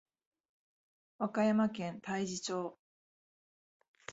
和歌山県太地町